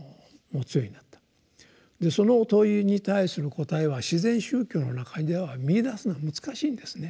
その問いに対する答えは「自然宗教」の中では見いだすのは難しいんですね。